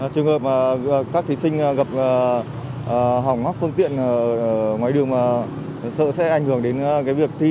trường hợp các thí sinh gặp hỏng hoặc phương tiện ngoài đường sợ sẽ ảnh hưởng đến việc thi